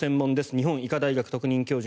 日本医科大学特任教授